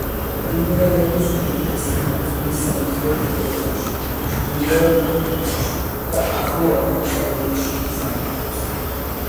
ფრინველების უმეტესი ნაწილი სამხრეთ ევროპაში, ჩრდილოეთ აფრიკაში და ახლო აღმოსავლეთში იზამთრებს.